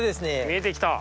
見えてきた。